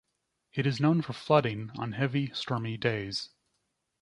It is known for flooding on heavy stormy days.